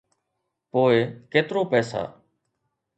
پوء ڪيترو پئسا؟